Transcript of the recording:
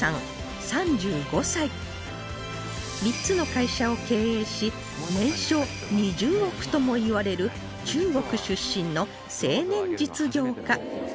３つの会社を経営し年商２０億ともいわれる中国出身の青年実業家